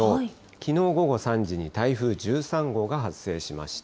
きのう午後３時に、台風１３号が発生しました。